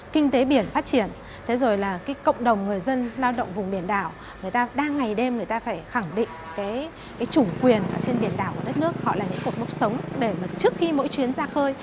kinh tế biển phát triển thế rồi là cái cộng đồng người dân lao động vùng biển đảo người ta đang ngày đêm người ta phải khẳng định cái chủ quyền trên biển đảo của đất nước họ là những cột mốc sống để mà trước khi mỗi chuyến ra khơi